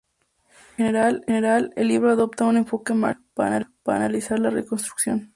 En general, el libro adopta un enfoque marxista para analizar la reconstrucción.